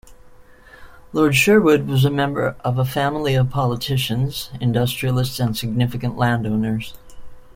Lord Sherwood was a member of a family of politicians, industrialists and significant landowners.